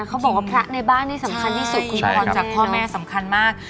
เขาบอกว่าพระในบ้านนี่สำคัญที่สุดคุณพรจากพ่อแม่สำคัญมาก